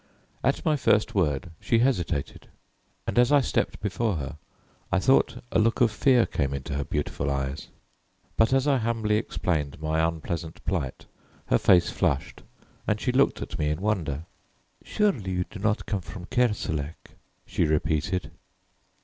At my first word she hesitated, and as I stepped before her I thought a look of fear came into her beautiful eyes. But as I humbly explained my unpleasant plight, her face flushed and she looked at me in wonder. "Surely you did not come from Kerselec!" she repeated.